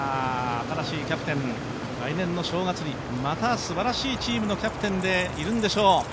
新しいキャプテン、来年の正月にまた、すばらしいチームのキャプテンでいるんでしょう。